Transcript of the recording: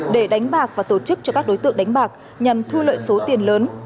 để đánh bạc và tổ chức cho các đối tượng đánh bạc nhằm thu lợi số tiền lớn